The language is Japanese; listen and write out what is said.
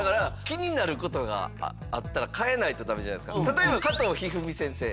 例えば加藤一二三先生